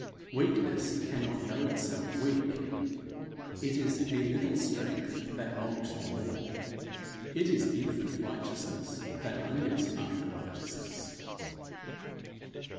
Weakness cannot know itself weak. It is a little strength that longs for more; it is infant righteousness that hungers after righteousness.